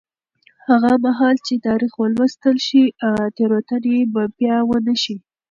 هغه مهال چې تاریخ ولوستل شي، تېروتنې به بیا ونه شي.